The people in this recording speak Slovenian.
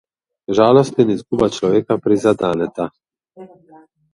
Žalost in izguba človeka prizadeneta.